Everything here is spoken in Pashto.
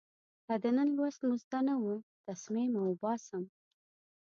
که د نن لوست مو زده نه و، تسمې مو اوباسم.